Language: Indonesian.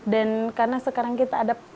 dan karena sekarang kita ada